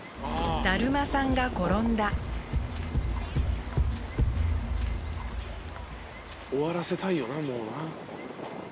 ・だるまさんが転んだ・終わらせたいよなもうな。